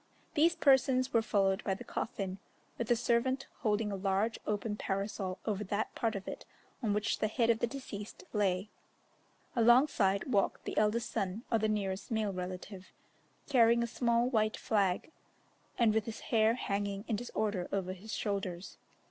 These persons were followed by the coffin, with a servant holding a large open parasol over that part of it on which the head of the deceased lay. Alongside walked the eldest son or the nearest male relative, carrying a small white flag, and with his hair hanging in disorder over his shoulders.